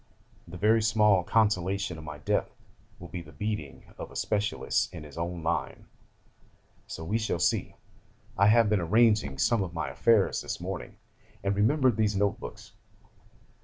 The very small consolation of my death will be the beating of a specialist in his own line. So we shall see. 'I have been arranging some of my affairs this morning, and remembered these notebooks.